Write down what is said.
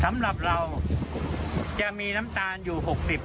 สำหรับเราจะมีน้ำตาลอยู่๖๐บาท